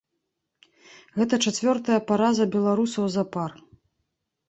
Гэта чацвёртая параза беларусаў запар.